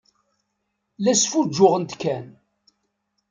La sfuǧǧuɣent kan.